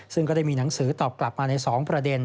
ซึ่งก็ได้มีหนังสือตอบกลับมาใน๒ประเด็น